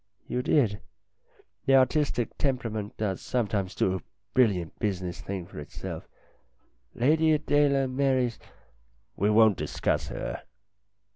"You did. The artistic temperament does sometimes do a brilliant business thing for itself. Lady Adela Marys "" We won't discuss her."